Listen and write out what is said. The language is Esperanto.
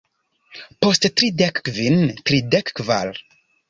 Post tridek kvin... tridek kvar